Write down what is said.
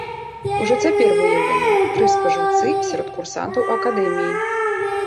Ужо цяпер выяўленыя тры спажыўцы сярод курсантаў акадэміі.